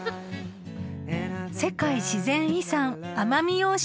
［世界自然遺産奄美大島］